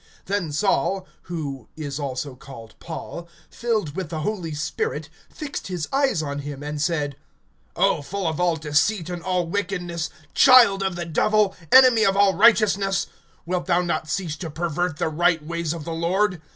(9)Then Saul (who is also called Paul), filled with the Holy Spirit, fixed his eyes on him, (10)and said: O full of all deceit and all wickedness, child of the Devil, enemy of all righteousness, wilt thou not cease to pervert the right ways of the Lord?